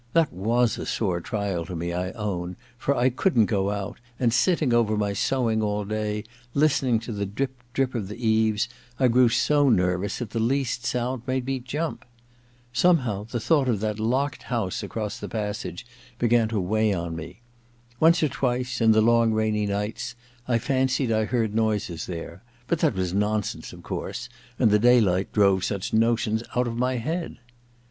That was a sore trial to me, I own, for I couldn't go out, and sitting over my sewing all day, listening to the drip, drip of the eaves, I grew so nervous that the least sound made me jump. Somehow, the thought of that locked room across the passage began to weigh on me. Once or twice, in the long rainy nights, I fancied I heard noises there ; but that was nonsense, of course, and the daylight drove such notions out of my head.